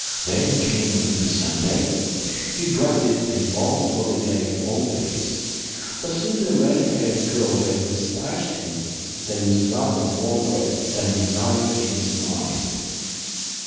Then came another Sunday. He dreaded and longed for the day always, but since the red haired girl had sketched him there was rather more dread than desire in his mind.